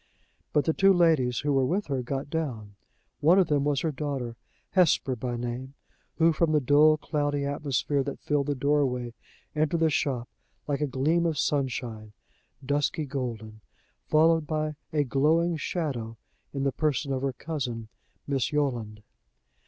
But the two ladies who were with her got down. One of them was her daughter, Hesper by name, who, from the dull, cloudy atmosphere that filled the doorway, entered the shop like a gleam of sunshine, dusky golden, followed by a glowing shadow, in the person of her cousin, Miss Yolland.